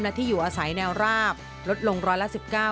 และที่อยู่อาศัยแนวราบลดลงร้อยละ๑๙